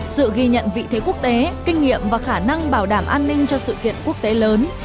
sự ghi nhận vị thế quốc tế kinh nghiệm và khả năng bảo đảm an ninh cho sự kiện quốc tế lớn